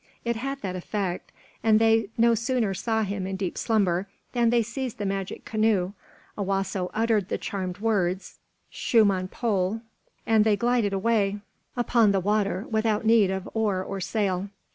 It had that effect; and they no sooner saw him in deep slumber than they seized the magic canoe, Owasso uttered the charmed words, "Chemaun Poll!" and they glided away upon the water without need of oar or sail.